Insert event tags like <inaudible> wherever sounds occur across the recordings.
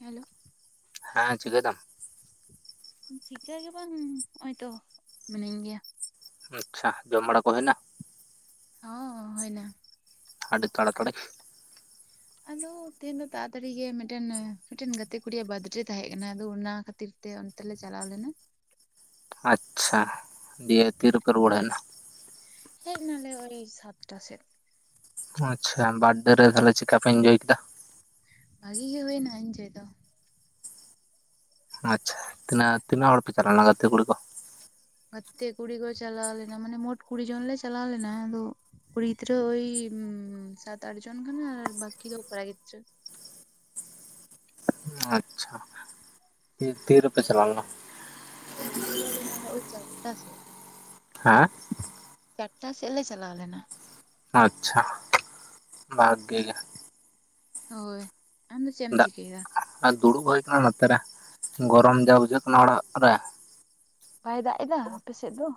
Hello ᱦᱮᱸ ᱪᱤᱠᱟᱹᱭ ᱫᱟᱢ᱾ ᱪᱤᱠᱟᱹ ᱜᱮ ᱵᱟᱝ ᱱᱚᱜ ᱚᱭ ᱛᱚ ᱢᱤᱱᱟᱹᱧ ᱜᱮᱭᱟ᱾ ᱟᱪᱪᱷᱟ ᱡᱚᱢ ᱵᱟᱲᱟ ᱠᱚ ᱦᱳᱭᱮᱱᱟ ᱦᱚᱸ ᱦᱚᱭᱱᱟ᱾ ᱟᱰᱤ ᱛᱟᱲᱟᱛᱟᱲᱤ᱾ ᱟᱫᱚ ᱛᱮᱦᱮᱧ ᱫᱚ ᱛᱟᱲᱟᱛᱟᱲᱤ ᱜᱮ ᱢᱤᱫᱴᱮᱱ ᱢᱤᱫᱴᱮᱱ ᱜᱟᱛᱮ ᱠᱩᱲᱤᱭᱟᱜ ᱵᱟᱨᱛᱷᱰᱮ ᱛᱟᱦᱮᱸ ᱠᱟᱱᱟ ᱟᱫᱚ ᱚᱱᱟ ᱠᱷᱟᱹᱛᱤᱨ ᱠᱷᱟᱹᱛᱤᱨ ᱛᱮ ᱚᱱᱛᱮ ᱞᱮ ᱪᱟᱞᱟᱣ ᱞᱮᱱᱟ᱾ ᱟᱪᱪᱷᱟ ᱫᱤᱭᱮ ᱛᱤᱨᱮᱯᱮ ᱨᱩᱣᱟᱹᱲ ᱦᱮᱡᱱᱟ? ᱦᱮᱡ ᱱᱟᱞᱮ ᱳᱭ ᱥᱟᱛᱴᱟ ᱥᱮᱫ᱾ ᱟᱪᱪᱷᱟ ᱵᱟᱨᱰ ᱰᱮ ᱨᱮ ᱛᱟᱦᱚᱞᱮ ᱪᱮᱠᱟ ᱯᱮ ᱤᱱᱡᱚᱭ ᱠᱮᱫᱟ? ᱵᱷᱟᱜᱤ ᱜᱮ ᱦᱩᱭᱱᱟ ᱤᱧᱡᱚᱭ ᱫᱚ᱾ ᱟᱪᱪᱷᱟ, ᱛᱤᱱᱟᱹᱜ ᱛᱤᱱᱟᱹᱜ ᱦᱚᱲ ᱯᱮ ᱪᱟᱞᱟᱣ ᱞᱮᱱᱟ ᱜᱟᱛᱮ ᱠᱩᱲᱤ ᱠᱚ? ᱜᱚᱛᱮ ᱠᱩᱲᱤ ᱠᱚ ᱪᱟᱞᱟᱣ ᱞᱮᱱᱟ ᱢᱟᱱᱮ ᱢᱳᱴ ᱠᱩᱲᱤ ᱡᱚᱱ ᱞᱮ ᱪᱟᱞᱟᱣ ᱞᱮᱱᱟ ᱟᱫᱚ ᱠᱩᱲᱤ ᱜᱤᱫᱽᱨᱟᱹ ᱳᱤ ᱥᱟᱛ ᱟᱴ ᱡᱚᱱ ᱜᱟᱱ ᱟᱨ ᱵᱟᱠᱤ ᱫᱚ ᱠᱚᱲᱟ ᱜᱤᱫᱽᱨᱟᱹ᱾ ᱟᱪᱪᱷᱟ, ᱛᱤᱨ ᱨᱩᱯᱮ ᱪᱟᱞ ᱞᱮᱱᱟ? ᱪᱚᱞᱟᱣ ᱞᱮᱱᱟᱞᱮ ᱳᱭ ᱪᱟᱨᱴᱟ ᱥᱮᱫ᱾ ᱦᱮᱸ ᱪᱟᱴᱴᱟ ᱥᱮᱫ ᱞᱮ ᱪᱟᱞᱟᱣ ᱞᱮᱱᱟ᱾ ᱟᱪᱪᱷᱟ, ᱵᱷᱟᱜᱮ ᱜᱮ᱾ ᱦᱳᱭ ᱟᱢᱫᱚ ᱪᱮᱮᱢ ᱫᱟᱜ ᱪᱤᱠᱟᱹᱭ ᱫᱟ? ᱟᱨ ᱫᱩᱲᱩᱵ ᱦᱩᱭ ᱟᱠᱟᱱᱟ ᱱᱚᱛᱮᱨᱮ, ᱜᱚᱨᱚᱢ ᱡᱟ ᱵᱩᱡᱷᱟᱹᱜ ᱠᱟᱱᱟ ᱚᱲᱟᱜ ᱨᱮ᱾ ᱵᱟᱭ ᱫᱟᱜ ᱮᱫᱟ ᱟᱯᱮ ᱥᱮᱫ ᱫᱚ?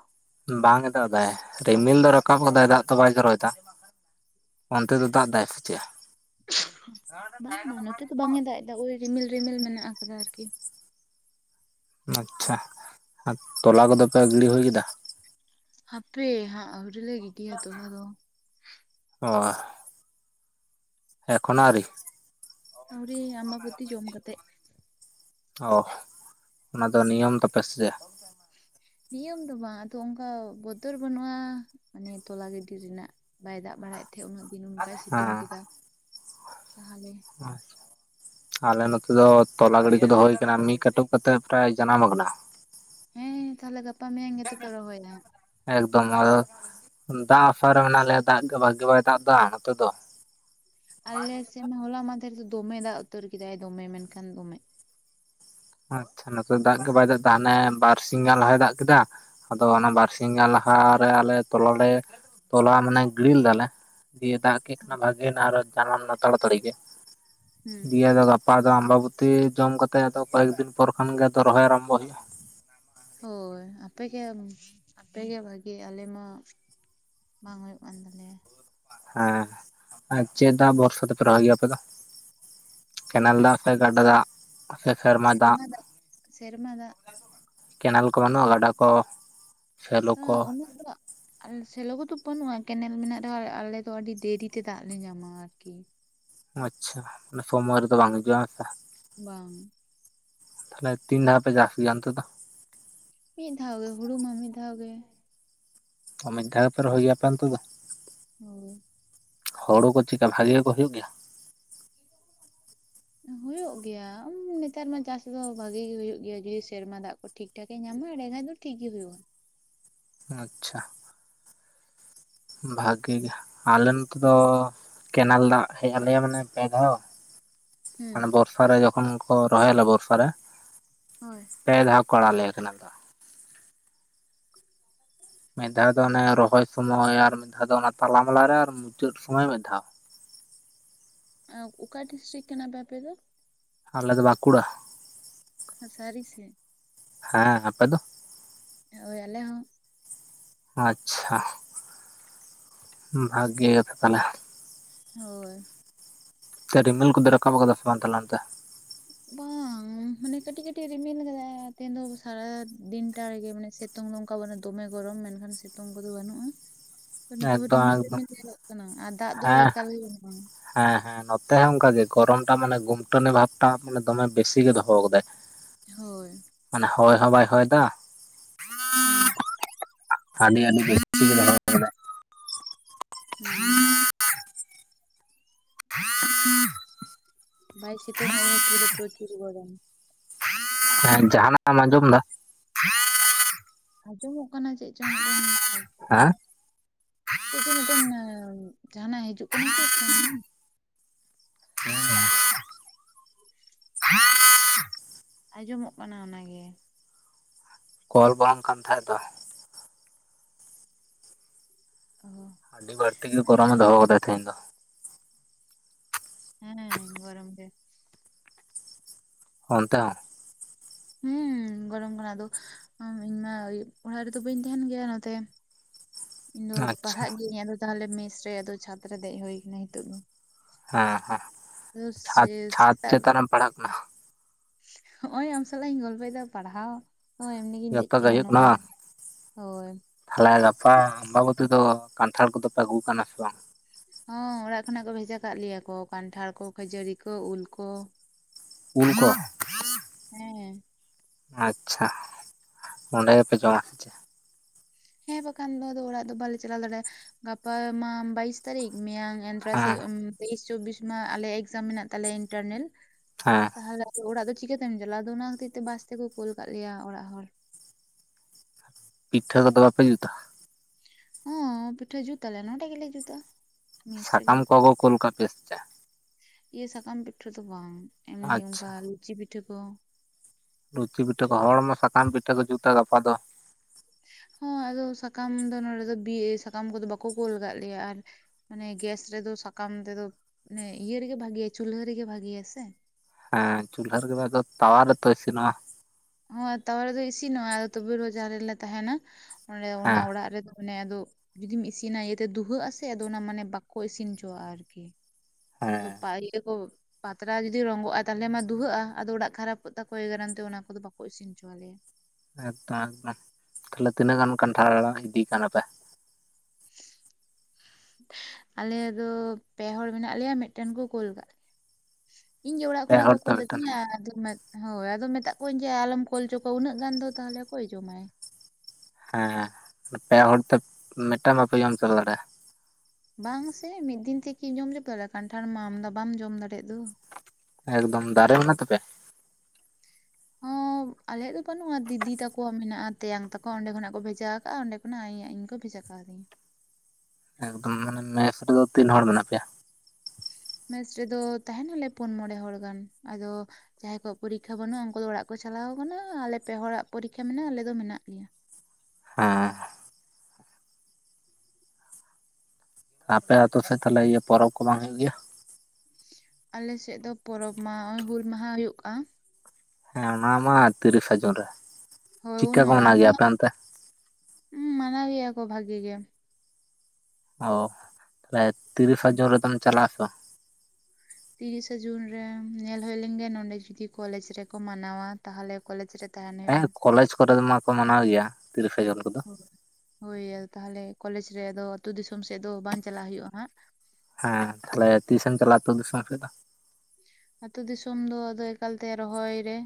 ᱵᱟᱝ ᱮ ᱫᱟᱜ ᱫᱟᱭ ᱨᱤᱢᱤᱞ ᱫᱚ ᱨᱟᱠᱟᱵ ᱠᱟᱫᱟᱭ ᱫᱟᱜ ᱫᱚ ᱵᱟᱭ ᱡᱚᱨᱚᱭᱫᱟ᱾ ᱚᱱᱛᱮ ᱫᱚ ᱫᱟᱜ ᱫᱟᱭ ᱥᱮ ᱪᱮ? ᱵᱟᱝ ᱵᱟᱝ ᱱᱚᱛᱮ ᱫᱚ ᱵᱟᱝ ᱮ ᱫᱟᱜ ᱮᱫᱟ ᱳᱭ ᱨᱤᱢᱤᱞ ᱨᱤᱢᱤᱞ ᱢᱮᱱᱟᱜ ᱟᱠᱟᱫᱟ ᱟᱨᱠᱤ᱾ ᱟᱪᱪᱷᱟ, ᱛᱚᱞᱟ ᱠᱚᱫᱚ ᱯᱮ ᱜᱤᱲᱤ ᱦᱩᱭᱠᱟᱫᱟ? ᱟᱯᱮ ᱦᱟᱸᱜ ᱟᱣᱨᱤᱞᱮ ᱜᱤᱫᱤᱭᱟ ᱛᱚᱞᱟ ᱫᱚ᱾ ᱚ ᱮᱠᱷᱚᱱᱚ ᱟᱣᱨᱤ ᱟᱣᱨᱤ ᱟᱢᱵᱟᱵᱚᱛᱤ ᱡᱚᱢ ᱠᱟᱛᱮᱫ ᱚ ᱚᱱᱟ ᱫᱚ ᱱᱤᱭᱚᱢ ᱛᱟᱯᱮ ᱥᱮ ᱪᱮᱫ ᱱᱤᱭᱚᱢ ᱫᱚ ᱵᱟᱝ ᱟᱫᱚ ᱚᱱᱠᱟ ᱵᱚᱛᱚᱨ ᱵᱟᱹᱱᱩᱜᱼᱟ ᱢᱟᱱᱮ ᱛᱚᱞᱟ ᱜᱤᱰᱤ ᱨᱮᱱᱟᱜ ᱵᱟᱭ ᱫᱟᱜ ᱵᱟᱲᱟᱭᱮᱫ ᱛᱟᱦᱮᱸᱫ ᱩᱱᱟᱹᱜ ᱫᱤᱱ ᱚᱱᱠᱟᱭ ᱥᱤᱛᱩᱝ ᱠᱮᱫᱟ ᱦᱮᱸ ᱛᱟᱦᱚᱞᱮ <unintelligible> ᱟᱞᱮ ᱱᱚᱛᱮ ᱫᱚ ᱛᱚᱞᱟ ᱜᱤᱰᱤ ᱠᱚᱫᱚ ᱦᱩᱭ ᱠᱟᱱᱟ ᱢᱤᱫ ᱠᱟᱹᱴᱩᱵ ᱠᱟᱛᱮ ᱯᱨᱟᱭ ᱡᱟᱱᱟᱢ ᱟᱠᱟᱱᱟ᱾ ᱦᱮᱸ ᱛᱟᱦᱚᱞᱮ ᱜᱟᱯᱟ ᱢᱮᱭᱟᱝ ᱜᱮ ᱛᱚᱯᱮ ᱨᱚᱦᱚᱭᱟ ᱮᱠᱫᱚᱢ ᱟᱫᱚ ᱫᱟᱜ ᱟᱥᱟᱨᱮ ᱢᱮᱱᱟᱜ ᱞᱮᱭᱟ ᱫᱟᱜ ᱜᱮ ᱵᱷᱟᱜᱤ ᱵᱟᱭ ᱫᱟᱜ ᱮᱫᱟ ᱱᱚᱛᱮ ᱫᱚ ᱟᱞᱮ ᱥᱮᱢᱟ ᱦᱚᱞᱟ ᱢᱫᱷᱮᱨ ᱫᱚ ᱫᱚᱢᱮ ᱫᱟᱜ ᱩᱛᱟᱹᱨ ᱠᱮᱫᱟᱭ ᱫᱚᱢᱮ ᱢᱮᱱᱠᱷᱟᱱ ᱫᱚᱢᱮ ᱟᱪᱪᱷᱟ ᱱᱚᱛᱮ ᱫᱟᱜ ᱜᱮ ᱵᱟᱭ ᱫᱟᱜᱫᱟ ᱵᱟᱨ ᱥᱤᱧ ᱜᱟᱱ ᱞᱟᱦᱟᱭ ᱫᱟᱜ ᱠᱮᱫᱟ ᱟᱫᱚ ᱚᱱᱟ ᱵᱟᱨᱥᱤ ᱜᱟᱱ ᱞᱟᱦᱟᱨᱮ ᱟᱞᱮ ᱛᱚᱞᱟ ᱛᱚᱞᱟ ᱢᱟᱱᱮ ᱜᱤᱲ ᱞᱮᱫᱟᱞᱮ ᱫᱤᱭᱮ ᱫᱟᱜ ᱠᱮᱜᱠᱷᱟᱱᱮ ᱵᱷᱟᱜᱮᱱᱟ ᱟᱨᱚ ᱡᱟᱱᱟᱢ ᱮᱱᱟ ᱛᱟᱲᱟ ᱛᱟᱹᱲᱤ ᱜᱮ ᱦᱩᱸ ᱫᱤᱭᱮ ᱫᱚ ᱜᱟᱯᱟ- -ᱜᱟᱯᱟ ᱟᱫᱚ ᱟᱢᱵᱟᱵᱩᱛᱤ ᱡᱚᱢ ᱠᱟᱛᱮ ᱟᱫᱚ ᱠᱚᱭᱮᱠ ᱫᱤᱱ ᱯᱚᱨ ᱠᱷᱟᱱ ᱜᱮ ᱟᱫᱚ ᱨᱚᱦᱚᱭ ᱟᱨᱟᱢᱵᱷᱚ ᱦᱩᱭᱩᱜᱼᱟ᱾ ᱦᱳᱭ ᱟᱯᱮᱜᱮ ᱟᱯᱮᱜᱮ ᱵᱷᱟᱹᱜᱤ ᱟᱞᱮ ᱢᱟ ᱵᱟᱝ ᱦᱩᱭᱩᱜ ᱠᱟᱱ ᱛᱟᱞᱮᱭᱟ ᱦᱮᱸ ᱟᱨ ᱪᱮᱫ ᱫᱟᱜ ᱵᱷᱚᱨᱥᱟ ᱛᱮᱯᱮ ᱨᱚᱦᱚᱭ ᱜᱮᱭᱟ ᱟᱯᱮ ᱫᱚ ᱪᱮᱫ ᱠᱮᱱᱮᱞ ᱞᱮᱠᱟ ᱫᱟᱜ ᱥᱮ ᱜᱟᱰᱟ ᱫᱟᱜ ᱥᱮ ᱥᱮᱨᱢᱟ ᱫᱟᱜ ᱥᱮᱨᱢᱟ ᱫᱟᱜ ᱠᱮᱱᱮᱞ ᱠᱚ ᱵᱟᱹᱱᱩᱜᱼᱟ ᱜᱟᱰᱟ ᱠᱚ ᱥᱮᱞᱚ ᱠᱚ ᱦᱮᱸ <unintelligible> ᱥᱮᱞᱚ ᱠᱚᱫᱚ ᱵᱟᱹᱱᱩᱜᱼᱟ ᱠᱮᱱᱮᱞ ᱢᱮᱱᱟᱜ ᱨᱮᱦᱚᱸ ᱟᱞᱮ ᱫᱚ ᱟᱹᱰᱤ ᱫᱮᱨᱤ ᱛᱮ ᱫᱟᱜ ᱞᱮ ᱧᱟᱢᱟ ᱟᱨᱠᱤ ᱟᱪᱪᱷᱟ ᱥᱚᱢᱚᱭ ᱨᱮᱫᱚ ᱵᱟᱝ ᱦᱤᱡᱩᱜᱼᱟ ᱦᱮᱸᱥᱮ ᱵᱟᱝ ᱛᱟᱦᱚᱞᱮ ᱛᱤᱱ ᱫᱷᱟᱣ ᱯᱮ ᱪᱟᱥ ᱜᱮᱭᱟ ᱚᱱᱛᱮ ᱫᱚ? ᱢᱤᱫ ᱫᱷᱟᱣ ᱜᱮ ᱦᱩᱲᱩ ᱢᱟ ᱢᱤᱫ ᱫᱷᱟᱣ ᱜᱮ ᱚ ᱢᱤᱫ ᱫᱷᱟᱣ ᱜᱮᱯᱮ ᱨᱚᱦᱚᱭ ᱜᱮᱭᱟ ᱟᱯᱮ ᱚᱱᱛᱮ ᱫᱚ <unintelligible> ᱦᱳᱲᱩ ᱠᱚ ᱪᱮᱫᱠᱟ ᱵᱷᱟᱜᱤ ᱜᱮᱠᱚ ᱦᱩᱭᱩᱜ ᱜᱮᱭᱟ? ᱦᱩᱭᱩᱜ ᱜᱮᱭᱟ ᱱᱮᱛᱟᱨ ᱢᱟ ᱪᱟᱥ ᱫᱚ ᱵᱷᱟᱜᱤ ᱜᱮ ᱦᱩᱭᱩᱜ ᱜᱮᱭᱟ, ᱡᱩᱫᱤ ᱥᱮᱨᱢᱟ ᱫᱟᱜ ᱠᱚ ᱴᱷᱤᱠ ᱴᱷᱟᱠᱮ ᱧᱟᱢᱟ ᱟᱲᱮᱠᱷᱟᱡ ᱫᱚ ᱴᱷᱤᱠ ᱜᱮ ᱦᱩᱭᱩᱜᱼᱟ᱾ ᱟᱪᱪᱷᱟ ᱵᱷᱟᱜᱮ ᱜᱮ ᱟᱞᱮ ᱱᱚᱛᱮ ᱫᱚ ᱠᱮᱱᱟᱞ ᱫᱟᱜ ᱦᱮᱡ ᱟᱞᱮᱭᱟ ᱢᱟᱱᱮ ᱵᱮ ᱫᱷᱟᱣ ᱦᱩᱸ ᱢᱟᱱᱮ ᱵᱚᱨᱥᱟ ᱨᱮ ᱡᱚᱠᱷᱚᱱ ᱠᱚ ᱨᱚᱦᱚᱭᱟᱞᱮ ᱵᱚᱨᱥᱟ ᱨᱮ ᱦᱳᱭ ᱯᱮ ᱫᱷᱟᱣ ᱠᱚ ᱟᱲᱟ ᱟᱞᱮᱭᱟ ᱠᱮᱱᱟᱞ ᱫᱟᱜ ᱢᱤᱫ ᱫᱷᱟᱣ ᱫᱚ ᱚᱱᱮ ᱨᱚᱦᱚᱭ ᱥᱳᱢᱳᱭ ᱟᱨ ᱢᱤᱫ ᱫᱷᱟᱣ ᱫᱚ ᱚᱱᱟ ᱛᱟᱞᱟ ᱢᱟᱞᱟᱮ ᱟᱨ ᱢᱩᱪᱟᱹᱫ ᱥᱳᱢᱚᱭ ᱢᱤᱫ ᱫᱷᱟᱣ ᱟᱨ ᱚᱠᱟ ᱰᱤᱥᱴᱤᱠ ᱠᱟᱱᱟᱯᱮ ᱟᱯᱮ ᱫᱚ? ᱟᱞᱮᱫᱚ ᱵᱟᱸᱠᱩᱲᱟ ᱥᱟᱨᱤ ᱥᱮ ᱦᱮᱸ ᱟᱯᱮ ᱫᱚ? ᱦᱳᱭ ᱟᱞᱮ ᱦᱚᱸ ᱟᱪᱪᱷᱟ ᱵᱷᱟᱜᱮ ᱜᱮᱛ ᱛᱟᱦᱚᱞᱮ ᱦᱳᱭ ᱨᱤᱢᱮᱞ ᱠᱚᱫᱚ ᱨᱟᱠᱟᱵ ᱠᱟᱫᱟ ᱥᱮ ᱵᱟᱝ ᱛᱟᱦᱚᱞᱮ ᱚᱱᱛᱮ? ᱵᱟᱝ ᱢᱟᱱᱮ ᱠᱟᱹᱴᱤᱡ ᱠᱟᱹᱴᱤᱡ ᱨᱤᱢᱤᱱ ᱠᱟᱫᱟᱭ ᱛᱮᱦᱮᱱ ᱫᱚ ᱥᱟᱨᱟ ᱫᱤᱱᱴᱟ ᱨᱮᱜᱮ ᱢᱟᱱᱮ ᱥᱮᱼ ᱥᱤᱛᱳᱝ ᱫᱚ ᱚᱱᱠᱟ ᱵᱟᱹᱱᱩᱜ ᱫᱚᱢᱮ ᱜᱚᱨᱚᱢ ᱢᱮᱱᱠᱷᱟᱱ ᱥᱤᱛᱩᱝ ᱠᱚᱫᱚ ᱵᱟᱹᱱᱩᱜᱼᱟ <inaudible> ᱛᱚ ᱱᱤᱛᱚᱜ ᱦᱚᱸ ᱮᱠᱫᱚᱢ ᱨᱤᱢᱤᱞ ᱮᱠᱫᱚᱢ ᱨᱤᱢᱤᱞ ᱧᱮᱞᱚᱜ ᱠᱟᱱᱟ ᱟᱨ ᱫᱟᱜ ᱫᱚ ᱦᱮᱸ ᱮᱠᱟᱞ ᱜᱮ ᱵᱟᱹᱱᱩᱜ-ᱟ ᱦᱮᱸ ᱦᱮᱸ ᱾ ᱱᱚᱛᱮ ᱦᱚᱸ ᱚᱱᱠᱟ ᱜᱮ ᱜᱚᱨᱚᱢ ᱴᱟᱜ ᱢᱟᱱᱮ ᱜᱩᱢᱴᱟᱱᱤ ᱵᱷᱟᱵᱽ ᱴᱟᱜ ᱢᱟᱱᱮ ᱫᱚᱢᱮ ᱵᱮᱥᱤ ᱜᱮ ᱫᱚᱦᱚ ᱠᱟᱫᱟᱭ ᱾ ᱦᱚᱭ ᱾ ᱢᱟᱱᱮ ᱦᱚᱭ ᱦᱚᱸ ᱵᱟᱭ ᱦᱚᱭᱫᱟ ᱾ ᱦᱩᱸ ᱾ ᱦᱟᱱᱤ ᱟᱹᱰᱤ ᱵᱮᱥᱤ ᱜᱮ ᱫᱚᱦᱚ ᱠᱟᱫᱟᱭ ᱦᱩᱸ ᱾ ᱵᱟᱭ ᱥᱤᱛᱩᱝ ᱮᱜ ᱨᱮᱦᱚᱸ ᱯᱩᱨᱟᱹ ᱯᱨᱚᱪᱩᱨ ᱜᱚᱨᱚᱢ ᱾ ᱟᱨ ᱡᱟᱦᱟᱱᱟᱜ ᱮᱢ ᱟᱸᱡᱚᱢ ᱫᱟ? ᱟᱸᱡᱚᱢᱚᱜ ᱠᱟᱱᱟ ᱪᱮᱫ ᱪᱚ ᱢᱤᱫᱴᱮᱱ, ᱥᱚᱵᱫᱚᱜ ᱦᱮᱸ ᱠᱟᱱᱟ ᱪᱮᱫ ᱪᱚ ᱢᱤᱫᱴᱮᱱ ᱡᱟᱦᱟᱱᱟᱜ ᱦᱤᱡᱩᱜ ᱠᱟᱱᱟ ᱠᱤ ᱯᱷᱳᱱ ᱢᱮ? <unintelligible> <inaudible> ᱟᱸᱡᱚᱢᱚᱜ ᱠᱟᱱᱟ ᱚᱱᱟᱜ ᱜᱮ ᱾ ᱠᱚᱞ ᱵᱟᱝ ᱠᱟᱱ ᱛᱟᱦᱮᱸᱫ ᱛᱚ ᱾ ᱚᱻ ᱟᱹᱰᱤ ᱵᱟᱹᱲᱛᱤ ᱜᱮ ᱜᱚᱨᱚᱢᱮ ᱫᱚᱦᱚ ᱠᱟᱫᱟ ᱛᱮᱦᱮᱧ ᱫᱚ ᱾ ᱦᱮᱸ ᱜᱚᱨᱚᱢ ᱜᱮ ᱾ ᱚᱱᱛᱮ ᱦᱚᱸ? ᱦᱩᱸ ᱜᱚᱨᱚᱢ ᱠᱟᱱᱟ ᱟᱫᱚ ᱤᱧ ᱢᱟ ᱟᱭᱩᱵ ᱚᱲᱟᱜ ᱨᱮᱫᱚ ᱵᱟᱹᱧ ᱛᱟᱦᱮᱱ ᱜᱮᱭᱟ ᱱᱚᱛᱮ ᱤᱧ ᱫᱚ ᱟᱪᱪᱷᱟ ᱯᱟᱲᱦᱟᱜ ᱜᱤᱭᱟᱹᱧ ᱟᱫᱚ ᱛᱟᱦᱚᱞᱮ ᱢᱮᱥ ᱨᱮ ᱟᱫᱚ ᱪᱷᱟᱫᱽ ᱨᱮ ᱫᱮᱡ ᱦᱚᱭ ᱠᱟᱱᱟ ᱦᱤᱛᱚᱜ ᱫᱚ ᱾ ᱦᱮᱸ ᱦᱮᱸ ᱥᱮ ᱪᱷᱟᱫᱽ, ᱪᱷᱟᱫᱽ ᱥᱮᱛᱟᱜ ᱪᱮᱛᱟᱱ ᱨᱮᱢ ᱯᱟᱲᱦᱟᱜ ᱠᱟᱱᱟ? ᱦᱚᱜᱼᱚᱭ ᱟᱢ ᱥᱟᱞᱟᱜ ᱤᱧ ᱜᱚᱞᱯᱚᱭᱫᱟ, ᱯᱟᱲᱦᱟᱣ ᱦᱚᱭ ᱮᱢᱱᱤ ᱜᱤᱧ ᱫᱮᱡ ᱡᱚᱛᱚ ᱜᱮ ᱠᱟᱱᱟ ᱦᱩᱭᱩᱜ ᱱᱚᱣᱟ, ᱵᱟᱝ ᱦᱚᱭ ᱾ ᱛᱟᱦᱚᱞᱮ ᱜᱟᱯᱟᱢ ᱟᱢᱵᱟᱵᱚᱛᱤ ᱫᱚ ᱠᱟᱱᱴᱷᱟᱲ ᱠᱚᱫᱚᱯᱮ ᱟᱹᱜᱩ ᱠᱟᱣᱱᱟ ᱥᱮ ᱵᱟᱝ? ᱦᱚᱸ ᱚᱲᱟᱜ ᱠᱷᱚᱱᱟᱜ ᱠᱚ ᱵᱷᱮᱡᱟ ᱠᱟᱜ ᱞᱮᱭᱟ ᱠᱚ ᱠᱟᱱᱴᱷᱟᱲ ᱠᱚ, ᱠᱷᱟᱹᱡᱟᱹᱲᱤ ᱠᱚ, ᱩᱞ ᱠᱚ ᱾ ᱩᱞ ᱠᱚ᱾ ᱦᱮᱸ ᱾ ᱟᱪᱪᱷᱟ ᱚᱸᱰᱮ ᱜᱮᱯᱮ ᱡᱚᱢᱟ? ᱦᱮᱸ ᱵᱟᱠᱷᱟᱱ ᱫᱚ ᱟᱫᱚ ᱚᱲᱟᱜ ᱫᱚ ᱵᱟᱞᱮ ᱪᱟᱞᱟᱣ ᱫᱟᱲᱮᱭᱟᱜᱼᱟ ᱜᱟᱯᱟ ᱢᱟ ᱵᱟᱭᱤᱥ ᱛᱟᱹᱨᱤᱠᱷ, ᱢᱮᱭᱟᱝ ᱮᱱᱫᱨᱟᱭ ᱥᱮᱫ ᱦᱮᱸ ᱛᱮᱭᱤᱥ-ᱪᱚᱵᱽᱵᱤᱥ ᱢᱟ ᱟᱞᱮᱭᱟᱜ ᱮᱠᱡᱟᱢ ᱢᱮᱱᱟᱜ ᱛᱟᱞᱮᱭᱟ ᱤᱱᱴᱟᱨᱱᱮᱞ ᱾ ᱦᱮᱸ ᱾ ᱛᱟᱦᱚᱞᱮ ᱟᱫᱚ ᱚᱲᱟᱜ ᱫᱚ ᱪᱤᱠᱟᱹ ᱛᱮᱢ ᱪᱟᱞᱟᱜᱼᱟ, ᱟᱫᱚ ᱚᱱᱟ ᱠᱷᱟᱹᱛᱤᱨ ᱛᱮ ᱵᱟᱥ ᱛᱮᱠᱚ ᱠᱳᱞ ᱠᱟᱜ ᱞᱮᱭᱟ ᱚᱲᱟᱜ ᱦᱚᱲ ᱾ ᱯᱤᱴᱷᱟᱹ ᱠᱚᱫᱚ ᱵᱟᱯᱮ ᱡᱩᱛᱟ? ᱦᱚᱸ ᱯᱤᱴᱷᱟᱹ ᱡᱩᱛᱟᱞᱮ ᱱᱚᱰᱮ ᱜᱮᱞᱮ ᱡᱩᱛᱟ ᱾ ᱥᱟᱠᱟᱢ ᱠᱚ ᱠᱚ ᱠᱳᱞ ᱠᱟᱜ ᱯᱮᱭᱟ ᱥᱮ ᱪᱮᱫ? ᱮ ᱥᱟᱠᱟᱢ ᱯᱤᱴᱷᱟᱹ ᱫᱚ ᱵᱟᱝ, ᱮᱢᱱᱤ ᱚᱱᱠᱟ ᱟᱪᱪᱷᱟ ᱞᱩᱪᱤ ᱯᱤᱴᱷᱟᱹ ᱠᱚ ᱾ ᱞᱩᱪᱤ ᱯᱤᱴᱷᱟᱹ ᱠᱚ ᱦᱚᱲ ᱢᱟ ᱥᱟᱠᱟᱢ ᱯᱤᱴᱷᱟᱹ ᱠᱚ ᱡᱩᱛᱟ ᱜᱟᱯᱟ ᱫᱚ ᱾ ᱦᱚᱸ ᱟᱫᱚ ᱥᱟᱠᱟᱢ ᱫᱚ ᱱᱚᱰᱮ ᱫᱚ ᱵᱤᱻ ᱥᱟᱠᱟᱢ ᱠᱚᱫᱚ ᱵᱟᱠᱚ ᱠᱳᱞ ᱠᱟᱜ ᱞᱮᱭᱟ ᱟᱨ ᱢᱟᱱᱮ ᱜᱮᱥ ᱨᱮᱫᱚ ᱥᱟᱠᱟᱢ ᱛᱮᱫᱚ ᱱᱮ ᱤᱭᱟᱹ ᱨᱮᱜᱮ ᱵᱷᱟᱜᱮᱭᱟ, ᱪᱩᱞᱦᱟᱹ ᱨᱮᱜᱮ ᱵᱷᱟᱜᱮᱭᱟ ᱥᱮ? ᱦᱮᱸ ᱪᱩᱞᱦᱟᱹ ᱨᱮᱜᱮ ᱟᱫᱚ ᱛᱟᱣᱟ ᱨᱮᱛᱚ ᱤᱥᱤᱱᱚᱜᱼᱟ ᱾ ᱦᱚᱸ ᱛᱟᱣᱟ ᱨᱮ ᱫᱚ ᱤᱥᱤᱱᱚᱜᱼᱟ, ᱛᱚᱵᱩ ᱨᱮᱦ ᱡᱟᱦᱟᱸ ᱨᱮᱞᱮ ᱛᱟᱦᱮᱱᱟ ᱚᱸᱰᱮ ᱚᱱᱟ ᱦᱮᱸ ᱚᱲᱟᱜ ᱨᱮᱫᱚ ᱚᱱᱮ ᱟᱫᱚ ᱡᱩᱫᱤᱢ ᱤᱥᱤᱱᱟ ᱤᱭᱟᱹᱛᱮ ᱫᱩᱦᱟᱹᱜ ᱟᱥᱮ ᱟᱫᱚ ᱚᱱᱟ ᱢᱟᱱᱮ ᱵᱟᱠᱚ ᱤᱥᱤᱱ ᱦᱚᱪᱚᱣᱟᱜᱼᱟ ᱟᱨᱠᱤ ᱾ ᱟᱫᱚ ᱦᱮᱸ <unintelligible> ᱯᱟᱛᱲᱟ ᱡᱩᱫᱤ ᱨᱚᱝᱜᱚᱜᱼᱟ ᱛᱟᱦᱚᱞᱮ ᱢᱟ ᱫᱩᱦᱟᱹᱜᱼᱟ ᱟᱫᱚ ᱚᱲᱟᱜ ᱠᱷᱟᱨᱟᱯᱚᱜ ᱛᱟᱠᱚ, ᱮ ᱠᱟᱨᱚᱱ ᱛᱮ ᱚᱱᱟ ᱠᱚᱫᱚ ᱵᱟᱠᱚ ᱤᱥᱤᱱ ᱦᱚᱪᱚ ᱟᱞᱮᱭᱟ ᱾ ᱮᱠᱫᱚᱢ ᱮᱠᱫᱚᱢ ᱛᱟᱦᱚᱞᱮ ᱛᱤᱱᱟᱹᱜ ᱜᱟᱱ ᱠᱟᱱᱴᱷᱟᱲ ᱤᱫᱤ ᱠᱟᱱᱟᱯᱮ? <inaudible> ᱟᱞᱮ ᱫᱚ ᱯᱮ ᱦᱚᱲ ᱢᱮᱱᱟᱜ ᱞᱮᱭᱟ ᱢᱤᱫᱴᱮᱱ ᱠᱚ ᱠᱳᱞ ᱠᱟᱜ-ᱟ ᱾ ᱤᱧ ᱜᱮ ᱚᱲᱟᱜ ᱯᱮ ᱯᱮ ᱠᱷᱚᱱᱟᱜ ᱦᱚᱲ ᱠᱚ ᱛᱮ ᱠᱳᱞ ᱢᱤᱫᱴᱮᱱ <unintelligible> ᱦᱳᱭ ᱟᱫᱚ ᱢᱮᱛᱟᱜ ᱠᱩᱣᱟᱧ ᱡᱮ ᱟᱞᱚᱢ ᱠᱳᱞ ᱪᱚ ᱠᱚᱣᱟ ᱩᱱᱟᱹᱜ ᱜᱟᱱ ᱫᱚ ᱛᱟᱦᱚᱞᱮ ᱚᱠᱚᱭ ᱡᱚᱢᱟᱭ ᱦᱮᱸ ᱯᱮ ᱦᱚᱲ ᱛᱮ ᱢᱮᱜ ᱴᱟᱝ ᱵᱟᱯᱮ ᱡᱚᱢ ᱪᱟᱵᱟ ᱫᱟᱲᱮᱭᱟᱜᱼᱟ ᱵᱟᱝ ᱥᱮ ᱢᱤᱫ ᱫᱤᱱ ᱛᱤᱠᱤ ᱡᱚᱢ ᱪᱟᱵᱟ ᱫᱟᱲᱮᱼᱟ ᱠᱟᱱᱴᱷᱟᱲ ᱢᱟ ᱟᱢᱫᱟ ᱵᱟᱢ ᱡᱚᱢ ᱫᱟᱲᱮᱜ ᱫᱚ ᱮᱠᱫᱚᱢ ᱫᱟᱨᱮ ᱢᱮᱱᱟᱜ ᱛᱟᱯᱮᱭᱟ? ᱦᱚᱸ <unintelligible> ᱟᱞᱮᱭᱟᱜ ᱫᱚ ᱵᱟᱱᱩᱜᱼᱟ ᱫᱤᱫᱤ ᱛᱟᱠᱚ ᱟᱜ ᱢᱮᱱᱟᱜ ᱼᱟ ᱛᱮᱭᱟᱝ ᱛᱟᱠᱚ ᱚᱸᱰᱮ ᱠᱷᱚᱱᱟᱜ ᱠᱚ ᱵᱷᱮᱡᱟ ᱟᱠᱟᱜᱼᱟ ᱚᱸᱰᱮ ᱠᱷᱚᱱᱟᱜ ᱤᱧ ᱠᱚ ᱵᱷᱮᱡᱟ ᱠᱟᱣᱫᱤᱧᱟ ᱮᱠᱫᱚᱢ ᱢᱟᱱᱮ ᱢᱮᱥ ᱨᱮᱫᱚ ᱛᱤᱱ ᱦᱚᱲ ᱢᱮᱱᱟᱜ ᱯᱮᱭᱟ? ᱢᱮᱥ ᱨᱮᱫᱚ ᱛᱟᱦᱮᱱᱟᱞᱮ ᱯᱩᱱ ᱢᱚᱬᱮ ᱦᱚᱲ ᱜᱟᱱ ᱟᱫᱚ ᱡᱟᱦᱟᱸᱭ ᱠᱚᱣᱟᱜ ᱯᱚᱨᱤᱠᱠᱷᱟ ᱵᱟᱹᱱᱩᱜᱼᱟ ᱩᱱᱠᱩ ᱫᱚ ᱚᱲᱟᱜ ᱠᱚ ᱪᱟᱞᱟᱣ ᱠᱟᱱᱟ ᱟᱞᱮ ᱯᱮ ᱦᱚᱲᱟᱜ ᱯᱚᱨᱤᱠᱠᱷᱟ ᱢᱮᱱᱟᱜᱼᱟ ᱟᱞᱮ ᱫᱚ ᱢᱮᱱᱟᱜ ᱞᱮᱭᱟ ᱚᱸ ᱟᱯᱮ ᱟᱹᱛᱩ ᱥᱮᱫ ᱛᱟᱠᱦᱮ ᱤᱭᱟᱹ ᱯᱚᱨᱚᱵᱽ ᱠᱚ ᱵᱟᱝ ᱦᱩᱭᱩᱜ ᱜᱮᱭᱟ? ᱟᱞᱮ ᱥᱮᱫ ᱫᱚ ᱯᱚᱨᱚᱵᱽ ᱢᱟ ᱦᱩᱞ ᱢᱟᱦᱟ ᱦᱩᱭᱩᱜ ᱦᱮᱸ ᱚᱱᱟ ᱢᱟ ᱛᱤᱨᱤᱥᱟ ᱡᱩᱱ ᱨᱮ ᱦᱳᱭ ᱪᱤᱜᱠᱟ ᱠᱚ ᱢᱟᱱᱟᱣ ᱜᱮᱭᱟ ᱟᱯᱮ ᱚᱱᱛᱮ ᱦᱩᱸ ᱢᱟᱱᱟᱣ ᱜᱮᱭᱟ ᱠᱚ ᱵᱷᱟᱜ ᱜᱮ ᱚ ᱛᱟᱦᱚᱞᱮ ᱛᱤᱨᱤᱥᱟ ᱡᱩᱱ ᱨᱮᱫᱚᱢ ᱪᱟᱞᱟᱜᱼᱟ ᱥᱮ ᱵᱟᱝ? ᱛᱤᱨᱤᱥᱟ ᱡᱩᱱ ᱨᱮ ᱧᱮᱞ ᱦᱩᱭ ᱞᱮᱱ ᱜᱮ ᱱᱚᱰᱮ ᱡᱩᱫᱤ ᱠᱚᱞᱮᱡᱽ ᱨᱮᱠᱚ ᱢᱟᱱᱟᱣᱟ ᱛᱟᱦᱚᱞᱮ ᱠᱚᱞᱮᱡᱽ ᱨᱮ ᱛᱟᱦᱮᱱ ᱦᱩᱭᱩᱜᱼᱟ ᱦᱮᱸ ᱠᱚᱞᱮᱡᱽ ᱠᱚᱨᱮ ᱫᱚ ᱢᱟᱠᱚ ᱢᱟᱱᱟᱣ ᱜᱮᱭᱟ ᱛᱤᱨᱤᱥᱟ ᱡᱩᱱ ᱠᱚᱫᱚ ᱦᱳᱭ ᱟ ᱛᱟᱦᱚᱞᱮ ᱠᱚᱞᱮᱡᱽ ᱨᱮ ᱟᱫᱚ ᱟᱹᱛᱩ ᱫᱤᱥᱚᱢ ᱥᱮᱫ ᱫᱚ ᱵᱟᱝ ᱪᱟᱞᱟᱣ ᱦᱩᱭᱩᱜᱼᱟ ᱦᱟᱸᱜ ᱦᱮᱸ ᱛᱟᱦᱚᱞᱮ ᱛᱤᱥᱮᱢ ᱪᱟᱞᱟᱜᱼᱟ ᱟᱹᱛᱩ ᱫᱤᱥᱚᱢ ᱥᱮᱫ ᱫᱚ? ᱟᱹᱛᱩ ᱫᱤᱥᱚᱢ ᱫᱚ ᱟᱫᱚ ᱮᱠᱟᱞᱛᱮ ᱨᱚᱦᱚᱭ ᱨᱮ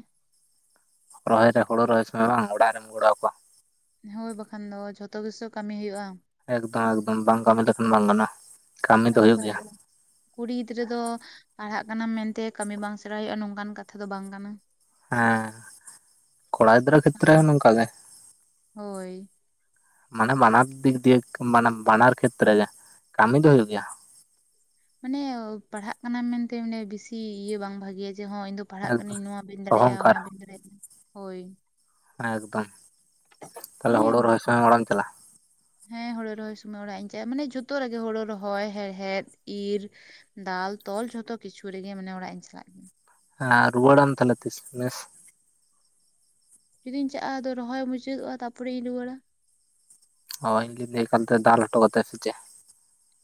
ᱨᱚᱦᱚᱭ ᱨᱮ ᱦᱳᱲᱩ ᱨᱚᱦᱚᱭ ᱥᱚᱢᱚᱭ ᱵᱟᱝ ᱚᱲᱟᱜ ᱨᱮᱢ ᱜᱚᱲᱚ ᱟᱠᱚᱣᱟ ᱦᱳᱭ ᱵᱟᱠᱷᱟᱱ ᱫᱚ ᱡᱷᱚᱛᱚ ᱜᱮᱥᱮ ᱠᱟᱹᱢᱤ ᱦᱩᱭᱩᱜᱼᱟ ᱮᱠᱫᱚᱢ ᱮᱠᱫᱚᱢ ᱵᱟᱝ ᱠᱟᱹᱢᱤ ᱞᱮᱠᱷᱟᱱ ᱵᱟᱝ ᱜᱟᱱᱚᱜᱼᱟ ᱠᱟᱹᱢᱤ ᱦᱚ ᱫᱚ ᱦᱩᱭᱩᱜ ᱵᱟᱠᱟᱡ ᱜᱮᱭᱟ ᱫᱚ ᱠᱩᱲᱤ ᱜᱤᱫᱽᱨᱟᱹ ᱫᱚ ᱯᱟᱲᱦᱟᱜ ᱠᱟᱱᱟᱢ ᱢᱮᱱᱛᱮ ᱠᱟᱹᱢᱤ ᱵᱟᱝ ᱥᱮᱬᱟ ᱦᱩᱭᱩᱜᱼᱟ ᱱᱚᱝᱠᱟᱱ ᱠᱟᱛᱷᱟ ᱫᱚ ᱵᱟᱝ ᱠᱟᱱᱟ ᱦᱮᱸ ᱠᱚᱲᱟ ᱜᱤᱫᱽᱨᱟᱹ ᱠᱷᱮᱛᱨᱮ ᱦᱚᱸ ᱱᱚᱝᱠᱟ ᱜᱮ ᱦᱳᱭ ᱢᱟᱱᱮ ᱵᱟᱱᱟᱨ ᱫᱤᱠ ᱫᱤᱭᱮ ᱢᱟᱱᱮ ᱵᱟᱱᱟᱨ ᱠᱷᱮᱛᱨᱮ ᱜᱮ ᱠᱟᱹᱢᱤ ᱫᱚ ᱦᱩᱭᱩᱜ ᱜᱮᱭᱟ ᱢᱟᱱᱮ ᱯᱟᱲᱦᱟᱜ ᱠᱟᱱᱟᱢ ᱢᱮᱱᱛᱮ ᱢᱟᱱᱮ ᱵᱤᱥᱤ ᱤᱭᱟᱹ ᱵᱟᱝ ᱵᱷᱟᱜᱮᱭᱟ ᱡᱮ ᱦᱚᱸ ᱤᱧ ᱫᱚ ᱯᱟᱲᱦᱟᱜ ᱮᱠᱫᱚᱢ ᱠᱟᱱᱟᱹᱧ ᱱᱚᱣᱟ ᱵᱮᱧ ᱫᱟᱲᱮᱭᱟᱜᱼᱟ ᱚᱱᱟ ᱚᱦᱚᱝᱠᱟᱨ ᱵᱮᱧ ᱫᱟᱲᱮᱭᱟᱜᱼᱟ, ᱦᱳᱭ ᱮᱠᱫᱚᱢ ᱛᱟᱞᱦᱮ ᱢᱟᱱᱮ ᱦᱳᱲᱩ ᱨᱚᱦᱚᱭ ᱥᱚᱭ ᱚᱲᱟᱜ ᱮᱢ ᱪᱟᱞᱟᱜᱼᱟ? ᱦᱮᱸ ᱦᱳᱲᱳ ᱨᱚᱦᱚᱭ ᱥᱚᱢᱚᱭ ᱚᱲᱟᱜ ᱤᱧ ᱪᱟᱞᱼᱟ ᱢᱟᱱᱮ ᱡᱷᱚᱛᱚ ᱨᱮᱜᱮ ᱦᱳᱲᱩ ᱨᱚᱦᱚᱭ ᱦᱮᱲᱦᱮᱫ ᱤᱨ ᱫᱟᱞ ᱛᱚᱞ ᱡᱷᱚᱛᱚ ᱠᱤᱪᱷᱩ ᱨᱮᱜᱮ ᱢᱟᱱᱮ ᱚᱲᱟᱜ ᱤᱧ ᱪᱟᱞᱟᱜ ᱟᱸ ᱨᱩᱣᱟᱹᱲᱟᱢ ᱛᱟᱦᱚᱞᱮ ᱛᱤᱥ ᱢᱮᱥ? ᱡᱩᱫᱤᱧ ᱪᱟ ᱟ ᱟᱫᱚ ᱨᱚᱦᱚᱭ ᱢᱩᱪᱟᱹᱫᱚᱜᱼᱟ ᱛᱟᱯᱚᱨᱮᱧ ᱨᱩᱣᱟᱹᱲᱟ ᱦᱚᱭ ᱡᱩᱫᱤ ᱮᱠᱟᱞ ᱛᱮ ᱫᱟᱞ ᱦᱚᱴ ᱠᱟᱛᱮ ᱥᱮᱪᱮᱜ?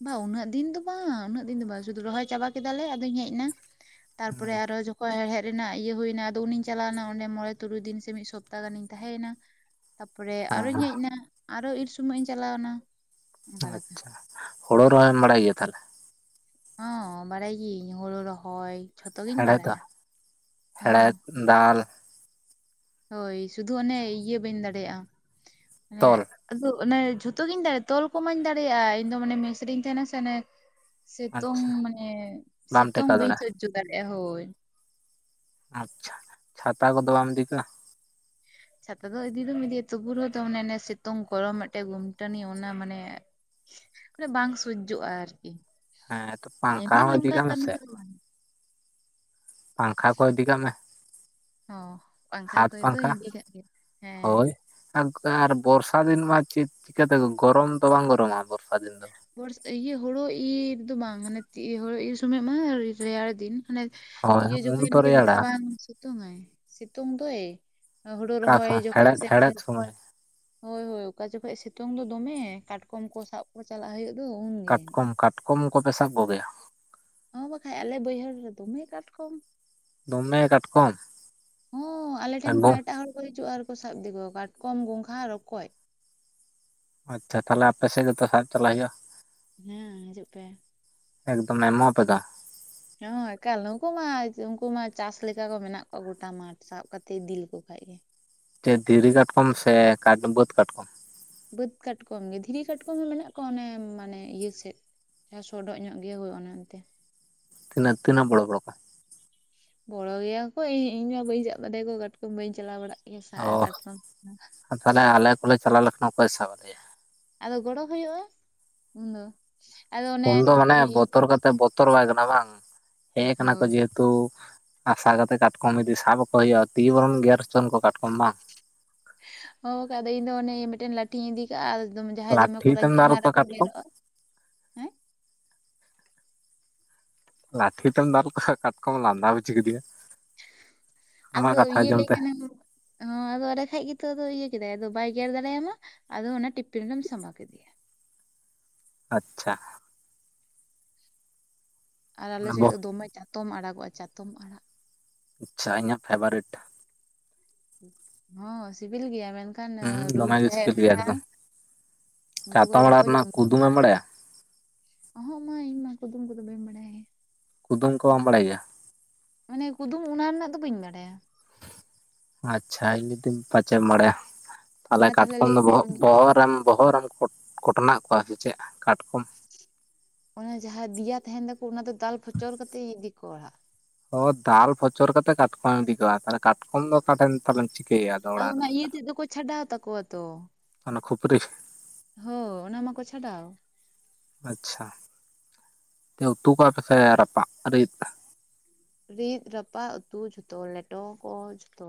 ᱵᱟᱝ ᱩᱱᱟᱹᱜ ᱫᱤᱱ ᱫᱚ ᱵᱟᱝ ᱩᱱᱟᱹᱜ ᱫᱤᱱ ᱫᱚ ᱵᱟᱝ ᱥᱩᱫᱩ ᱨᱚᱦᱚᱭ ᱪᱟᱵᱟ ᱠᱮᱫᱟᱞᱮ ᱟᱫᱚᱧ ᱦᱮᱡ ᱱᱟ ᱛᱟᱨᱯᱚᱨᱮ ᱟᱨᱚ ᱡᱚᱠᱷᱚᱡ ᱦᱮᱲᱦᱮᱫ ᱨᱮᱱᱟᱜ ᱤᱭᱟᱹ ᱦᱩᱭᱱᱟ ᱟᱫᱚ ᱩᱱᱤᱧ ᱪᱟᱞᱟᱣᱱᱟ ᱚᱸᱰᱮ ᱢᱚᱬᱮ ᱛᱩᱨᱩᱭ ᱫᱤᱱ ᱥᱮ ᱢᱤᱫ ᱥᱚᱯᱛᱟ ᱜᱟᱱᱤᱧ ᱛᱟᱦᱮᱸᱭᱱᱟ ᱛᱟ ᱯᱚᱨᱮ ᱦᱮᱸ ᱟᱨᱚᱧ ᱦᱮᱡ ᱱᱟ ᱟᱨᱚ ᱤᱨ ᱥᱚᱢᱚᱭ ᱤᱧ ᱪᱟᱞᱟᱣᱱᱟ ᱚᱱᱠᱟ ᱞᱮᱠᱟ ᱟᱪᱪᱷᱟ ᱦᱳᱲᱳ ᱨᱚᱦᱚᱭ ᱮᱢ ᱵᱟᱲᱟᱭ ᱜᱮᱭᱟ ᱛᱟᱦᱚᱞᱮ? ᱦᱚᱸ ᱵᱟᱲᱟᱭ ᱜᱤᱭᱟᱹᱧ ᱦᱳᱲᱩ ᱨᱚᱦᱚᱭ ᱡᱷᱚᱛᱚ ᱜᱤᱧ ᱦᱮᱲᱦᱮᱫ ᱵᱟᱲᱟᱭᱟ ᱦᱚᱸ ᱦᱮᱲᱦᱮᱫ ᱦᱚᱸ ᱫᱟᱞ ᱦᱳᱭ ᱥᱩᱫᱩ ᱚᱱᱮ ᱤᱭᱟᱹ ᱵᱟᱹᱧ ᱫᱟᱲᱮᱭᱟᱜᱼᱟ ᱢᱟᱱᱮ ᱛᱚᱞ ᱟᱫᱚ ᱚᱱᱮ ᱡᱷᱩᱛᱚ ᱜᱤᱧ ᱫᱟᱲᱮᱭᱟᱜᱼᱟ ᱛᱚᱞ ᱠᱚᱢᱟᱧ ᱫᱟᱲᱮᱭᱟᱜᱼᱟ ᱤᱧᱫᱚ ᱢᱟᱱᱮ ᱢᱥᱨᱤᱧ ᱛᱟᱦᱮᱱᱟ ᱥᱮ ᱚᱱᱮ ᱥᱤᱛᱩᱝ ᱟᱪᱪᱷᱟ ᱢᱟᱱᱮ ᱵᱟᱢ ᱥᱤᱛᱩᱝ ᱴᱮᱠᱟᱣ ᱵᱟᱹᱧ ᱫᱟᱲᱮᱭᱟᱜᱼᱟ ᱥᱟᱡᱡᱳ ᱫᱟᱲᱮᱜᱼᱟ ᱦᱳᱭ ᱟᱪᱪᱷᱟ ᱪᱷᱟᱛᱟ ᱠᱚᱫᱚ ᱵᱟᱢ ᱤᱫᱤ ᱠᱟᱜ-ᱟ ᱪᱷᱟᱛᱟ ᱫᱚ ᱤᱫᱤ ᱫᱚᱢ ᱤᱫᱤᱭᱟ ᱛᱚᱵᱩ ᱨᱮ ᱦᱚᱸ ᱢᱟᱱᱮ ᱥᱤᱛᱩᱝ ᱠᱚᱨᱚᱢ ᱢᱤᱫᱴᱮᱱ ᱜᱩᱢᱴᱟᱱᱤ ᱚᱱᱟ ᱢᱟᱱᱮ ᱢᱟᱱᱮ ᱵᱟᱝ ᱥᱚᱦᱡᱡᱳᱜᱼᱟ ᱟᱨᱠᱤ ᱦᱮᱸ ᱛᱚ ᱯᱟᱝᱠᱷᱟ ᱮᱢᱱᱤ ᱦᱚᱸ ᱤᱫᱤ ᱱᱚᱝᱠᱟ ᱠᱟᱜ ᱠᱟᱹᱢᱤ ᱢᱮᱥᱮ ᱠᱚᱫᱚ ᱵᱟᱝ ᱯᱟᱝᱠᱷᱟ ᱠᱚ ᱤᱫᱤ ᱠᱟᱜ ᱢᱮ ᱦᱚᱸ ᱯᱟᱝᱠᱷᱟ ᱦᱟᱛ ᱠᱚ ᱫᱚ ᱯᱟᱝᱠᱷᱟ ᱦᱤᱫᱤ ᱠᱟᱜ ᱜᱮᱭᱟ ᱦᱮᱸ ᱦᱳᱭ ᱟᱨ ᱵᱚᱨᱥᱟ ᱫᱤᱱ ᱢᱟ ᱪᱮᱫ ᱪᱤᱠᱟᱹᱛᱮ ᱜᱚᱨᱚᱢ ᱫᱚ ᱵᱟᱝ ᱜᱚᱨᱚᱢᱟ ᱵᱚᱨᱥᱟ ᱫᱤᱱ ᱫᱚ ᱵᱚᱨᱥ ᱤᱭᱟᱹ ᱦᱳᱲᱳ ᱤᱨ ᱨᱮᱫᱚ ᱵᱟᱝ ᱢᱟᱱᱮ ᱦᱳ ᱥᱚᱢᱚᱭ ᱢᱟ ᱨᱮᱭᱟᱲ ᱫᱤᱱ ᱢᱟᱱᱮ ᱦᱳᱭ ᱤᱭᱟᱹ ᱩᱱ ᱡᱚᱠᱷᱚᱱᱮᱱ ᱛᱚ ᱜᱮ ᱢᱤᱫ ᱨᱮᱭᱟᱲᱟ ᱫᱷᱟᱣ ᱵᱟᱝ ᱥᱤᱛᱩᱝ ᱟᱭ ᱥᱤᱛᱩᱝ ᱫᱚᱭ ᱦᱩᱲᱩ ᱚᱠᱟ ᱨᱚᱦᱚᱭ ᱥᱚᱢᱚᱭ ᱡᱚᱠᱷᱚᱱ ᱦᱮᱲᱦᱮᱫ ᱥᱮ ᱦᱮᱲᱦᱮᱫ ᱢᱤᱴᱮᱱ ᱥᱚᱢᱚᱭ ᱦᱳᱭ ᱦᱳᱭ ᱚᱠᱟ ᱡᱚᱠᱷᱚᱱ ᱥᱤᱛᱩᱝ ᱫᱚ ᱫᱚᱢᱮ ᱠᱟᱴᱠᱚᱢ ᱠᱚ ᱥᱟᱵ ᱠᱚ ᱪᱟᱞᱟᱜ ᱦᱩᱭᱩᱜ ᱠᱟᱱᱟ ᱠᱟᱴᱠᱚᱢ ᱠᱟᱴᱠᱚᱢ ᱠᱚ ᱯᱮ ᱥᱟᱵ ᱠᱚᱜᱮᱭᱟ ᱦᱚᱸ ᱵᱟᱠᱷᱟᱡ ᱟᱞᱮ ᱵᱟᱹᱭᱦᱟᱹᱲ ᱨᱮ ᱫᱚᱢᱮ ᱠᱟᱴᱠᱚᱢ ᱫᱚᱢᱮ ᱠᱟᱴᱠᱚᱢ ᱦᱚᱸ ᱟᱞᱮ ᱴᱷᱮᱱ ᱠᱷᱚᱱᱚ ᱮᱠᱫᱚᱢ ᱮᱴᱟᱜ ᱦᱚᱲ ᱠᱚ ᱦᱤᱡᱩᱜᱼᱟ ᱟᱨᱠᱤ ᱦᱟᱹᱠᱩ ᱥᱟᱵ ᱤᱫᱤ ᱠᱚᱣᱟ ᱠᱟᱴᱠᱚᱢ ᱜᱚᱸᱜᱷᱟ ᱨᱚᱠᱚᱡ ᱟᱪᱪᱷᱟ ᱛᱟᱦᱚᱞᱮ ᱟᱯᱮ ᱥᱮᱫ ᱜᱮ ᱛᱚ ᱥᱟᱵ ᱪᱟᱞᱟᱜ ᱦᱩᱭᱩᱜᱼᱟ ᱦᱮᱸ ᱦᱤᱡᱩᱜ ᱯᱮ ᱮᱠᱫᱚᱢᱮ ᱮᱢᱟᱯᱫᱟ ᱦᱮᱸ ᱮᱠᱟᱞ ᱱᱩᱠᱩ ᱢᱟ ᱩᱱᱠᱩ ᱢᱟ ᱪᱟᱥ ᱞᱮᱠᱟ ᱠᱚ ᱢᱮᱱᱟᱜ ᱠᱚᱣᱟ ᱜᱚᱴᱟ ᱢᱟᱴᱷ ᱥᱟᱵ ᱠᱟᱛᱮᱮᱫ ᱤᱫᱤ ᱞᱮᱠᱚ ᱠᱷᱟᱱ ᱜᱮ ᱫᱷᱤᱨᱤ ᱠᱟᱴᱠᱚᱢ ᱥᱮ ᱠᱟᱴ ᱵᱟᱹᱫᱽ ᱠᱟᱴᱠᱚᱢ ᱵᱟᱹᱫᱽ ᱠᱟᱴᱠᱚᱢ ᱜᱮ ᱫᱷᱤᱨᱤ ᱠᱟᱴᱠᱚᱢ ᱦᱚᱸ ᱢᱮᱱᱟᱜ ᱠᱚᱣᱟ ᱚᱱᱮ ᱢᱟᱱᱮ ᱤᱭᱟᱹ ᱥᱮᱫ ᱡᱟᱦᱟᱸ ᱥᱚᱰᱚᱜ ᱧᱚᱜ ᱜᱮ ᱦᱩᱭᱩᱜᱼᱟ ᱮᱱᱛᱮ ᱛᱤᱱᱟᱹ ᱛᱤᱱᱟᱹᱜ ᱵᱚᱲᱚ ᱵᱚᱲᱚ ᱠᱚ ᱵᱚᱲᱚ ᱜᱮᱭᱟ ᱠᱚ ᱤᱧ ᱢᱟ ᱵᱟᱹᱧ ᱥᱟᱵ ᱫᱟᱲᱮᱭᱟᱠᱚᱣᱟ ᱠᱟᱴᱠᱚᱢ ᱵᱟᱹᱧ ᱪᱟᱞᱟᱣ ᱵᱟᱲᱟᱜ ᱠᱟᱱᱟ ᱤᱧ ᱥᱟ ᱟ ᱚ ᱠᱟᱴᱠᱚᱢ ᱛᱟᱦᱚᱞᱮ ᱟᱞᱮ ᱠᱚᱞᱮ ᱪᱟᱟᱜ ᱞᱮᱠᱷ ᱱᱚᱝᱠᱟᱭ ᱥᱟᱵ ᱟᱞᱮᱭᱟ ᱟᱫᱚ ᱜᱚᱲᱚ ᱦᱩᱭᱩᱜᱼᱟ ᱩᱱᱫᱚ ᱟᱫᱚ ᱚᱱᱮ ᱩᱱ ᱫᱚ ᱢᱟᱱᱮ ᱵᱚᱛᱚᱨ ᱠᱟᱛᱮ ᱵᱚᱛᱚᱨ ᱵᱟᱭ ᱠᱟᱱᱟ ᱵᱟᱝ ᱦᱮᱡ ᱠᱟᱱᱟ ᱦᱳᱭ ᱡᱦ ᱛᱚ ᱟᱥᱟ ᱠᱟᱛᱮᱜ ᱠᱟᱴᱠᱚᱢ ᱤᱫᱤ ᱥᱟᱵ ᱵᱟᱠᱚ ᱦᱩᱭᱩᱜᱼᱟ ᱛᱤ ᱵᱚᱨᱚᱱ ᱜᱮᱨᱪᱚᱱ ᱠᱚ ᱠᱟᱴᱠᱚᱢ ᱵᱟᱝ ᱦᱳᱭ ᱟᱫᱚ ᱤᱧᱫᱚ ᱚᱱᱮ ᱢᱤᱫᱴᱮᱱ ᱞᱴᱷᱤᱧ ᱤᱫᱤ ᱠᱟᱜᱼᱟ ᱡᱟᱦᱟᱸᱭ ᱫᱚᱢᱮ ᱞᱟᱴᱷᱤ ᱠᱚ ᱛᱮᱢ ᱨᱟᱹᱜᱤᱼᱟ ᱫᱟᱞ ᱚᱱᱟ ᱠᱚᱣᱟ ᱨᱮᱠᱚ ᱠᱟᱴᱠᱚᱢ ᱜᱮᱨᱚᱜᱼᱟ ᱦᱮᱸ ᱞᱟᱴᱷᱤ ᱛᱮᱢ ᱫᱟᱞ ᱠᱚᱣᱟ ᱠᱟᱴᱠᱚᱢ ᱞᱟᱸᱫᱟ ᱵᱩᱡᱷᱤ ᱠᱮᱫᱤᱧᱟ ᱟᱫᱚ ᱤᱭᱟ ᱞᱮᱟᱹᱭ‌ ᱛᱮ ᱠᱷᱟᱱᱮᱢ ᱦᱚᱸ ᱟᱫᱚ ᱚᱸᱵᱮ ᱠᱷᱟᱡ ᱜᱮᱛᱚ ᱤᱭᱟᱹ ᱠᱮᱫᱟᱭ ᱟᱫᱚ ᱵᱟᱭ ᱜᱮᱨ ᱫᱟᱲᱮᱭᱟᱢᱟ ᱟᱫᱚ ᱚᱱᱟ ᱴᱤᱯᱤᱱ ᱨᱮᱢ ᱥᱟᱢᱵᱟᱣ ᱠᱮᱫᱮᱭᱟ ᱟᱪᱪᱷᱟ ᱟᱨ ᱚᱱᱟ ᱟᱞᱮᱥᱮᱫ ᱵᱚ ᱫᱚ ᱫᱚᱢᱮ ᱪᱟᱛᱚᱢ ᱟᱲᱟᱜᱚᱜᱼᱟ ᱪᱟᱛᱚᱢ ᱟᱲᱟᱜ ᱟᱪᱪᱷᱟ ᱤᱧᱟᱹᱜ ᱯᱷᱮᱵᱟᱨᱤᱮᱴ ᱦᱚᱸ ᱥᱤᱵᱤᱞ ᱜᱮᱭᱟ ᱢᱮᱱᱠᱷᱟᱱ ᱦᱩᱸ ᱠᱷᱟᱱ ᱨᱳᱜᱽ ᱫᱚᱢᱮ ᱜᱮ ᱡᱟᱦᱟᱸᱭᱟᱜ ᱥᱤᱵᱤᱞ ᱜᱮᱭᱟ ᱢᱮᱱᱟᱜᱼᱟ ᱮᱠᱫᱚᱢ ᱩᱱᱠᱩ ᱠᱚᱫᱚ ᱪᱟᱛᱚᱢ ᱵᱟᱠᱚ ᱟᱲᱟᱜ ᱨᱮᱱᱟᱜ ᱡᱚᱢ ᱧᱩᱭᱟ ᱠᱩᱫᱩᱢᱮᱢ ᱵᱟᱲᱟᱭᱟ ᱚᱦᱸᱚᱜ ᱢᱟ ᱤᱧ ᱢᱟ ᱠᱩᱫᱩᱢ ᱠᱚᱫᱚ ᱵᱟᱹᱧ ᱵᱟᱲᱟᱭ ᱠᱩᱫᱩᱢ ᱠᱚ ᱵᱟᱢ ᱵᱟᱲᱟᱭ ᱜᱮᱭᱟ ᱢᱟᱱᱮ ᱠᱩᱫᱩᱢ ᱚᱱᱟ ᱨᱮᱱᱟᱜ ᱫᱚ ᱵᱟᱹᱧ ᱵᱟᱲᱟᱭᱟ ᱟᱪᱪᱷᱟ <inaudible> ᱯᱟᱪᱮᱢ ᱵᱟᱲᱟᱭᱟ ᱛᱟᱞᱦᱮ ᱟᱨ ᱛᱟᱦᱚᱞᱮ ᱠᱟᱴᱠᱚᱢ ᱞᱟᱹᱭ ᱫᱚ ᱢᱮ ᱵᱚᱦᱚᱜ ᱟᱢᱜᱮ ᱵᱚᱦᱚᱜ ᱨᱮᱢ ᱵᱚᱦᱚᱜ ᱨᱮᱢ ᱠᱚᱴ ᱠᱚᱴᱱᱟᱜ ᱠᱚᱣᱟ ᱥᱮ ᱪᱮᱫ ᱠᱟᱴᱠᱚᱢ ᱚᱱᱮ ᱡᱟᱦᱟᱸ ᱫᱤᱭᱟ ᱛᱟᱦᱮᱱ ᱛᱟᱠᱚ ᱚᱱᱟ ᱫᱚ ᱫᱟᱞ ᱯᱷᱚᱪᱚᱨ ᱠᱟᱛᱮ ᱤᱫᱤ ᱠᱚ ᱚᱲᱟᱜ ᱚ ᱫᱟᱞ ᱯᱷᱚᱪᱚᱨ ᱠᱟᱛᱮᱜ ᱠᱟᱴᱠᱚᱢ ᱮᱢ ᱤᱫᱤ ᱠᱚᱣᱟ ᱛᱟᱞᱦᱮ ᱠᱟᱴᱠᱚᱢ ᱫᱚ ᱚᱠᱟ ᱴᱷᱮᱱ <inaudible> ᱟᱫᱚ ᱚᱱᱟ ᱤᱭᱟᱹ ᱛᱮᱫ ᱫᱚᱠᱚ ᱪᱷᱟᱰᱟᱣ ᱛᱟᱠᱚᱣᱟ ᱛᱚ ᱚᱱᱟ ᱠᱷᱩᱯᱨᱤ ᱦᱳ ᱚᱱᱟ ᱢᱟᱠᱚ ᱪᱷᱟᱰᱟᱣ ᱟᱪᱪᱷᱟ ᱩᱛᱩ ᱠᱚᱣᱟ ᱯᱮ ᱥᱮ ᱨᱟᱯᱟᱜ ᱨᱤᱫ ᱨᱤᱫ ᱨᱟᱯᱟᱜ ᱩᱛᱩ ᱡᱷᱚᱛᱚ ᱞᱮᱴᱚ ᱠᱚ ᱡᱷᱚᱛᱚ